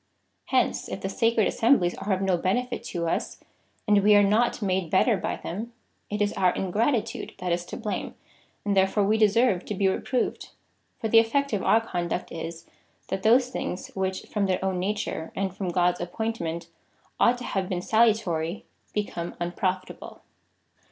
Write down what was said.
Hence if the sacred assemblies are of no benefit to us, and we are not made better by them, it is our ingratitude that is to blame, and therefore we deserve to be reproved. For the effect of our conduct is, that those things, which, from their own na ture, and from God's appointment, ought to have been salu tary, become unprofitable.